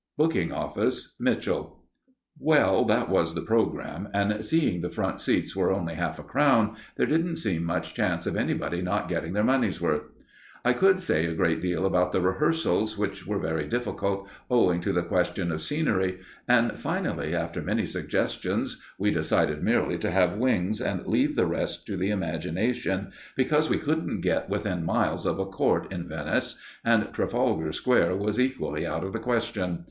_ Booking Office: Mitchell. Well, that was the programme, and, seeing the front seats were only half a crown, there didn't seem much chance of anybody not getting their money's worth. I could say a great deal about the rehearsals, which were very difficult, owing to the question of scenery; and finally, after many suggestions, we decided merely to have wings, and leave the rest to the imagination, because we couldn't get within miles of a court in Venice, and Trafalgar Square was equally out of the question.